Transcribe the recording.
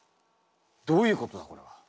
どういうことだこれは。